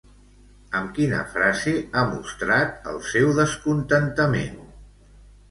Amb quina frase ha mostrat el seu descontentament?